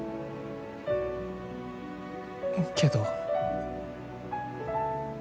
けど。